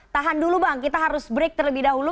tahan dulu bang kita harus break terlebih dahulu